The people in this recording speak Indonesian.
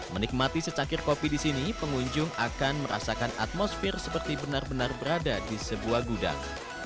menikmati secakir kopi di sini pengunjung akan merasakan atmosfer seperti benar benar berada di sebuah gudang